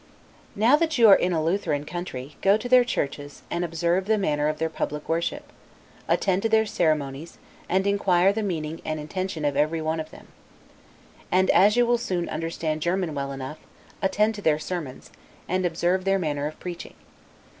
Now that you are in a Lutheran country, go to their churches, and observe the manner of their public worship; attend to their ceremonies, and inquire the meaning and intention of everyone of them. And, as you will soon understand German well enough, attend to their sermons, and observe their manner of preaching.